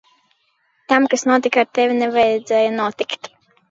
Tam, kas notika ar tevi, nevajadzēja notikt.